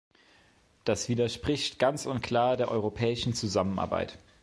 Das widerspricht ganz und klar der europäischen Zusammenarbeit.